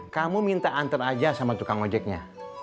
kamu minta antar aja sama tukang ojeknya